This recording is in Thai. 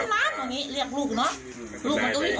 มันมาป้วนเรามันมาป้วนเราเรียกลูก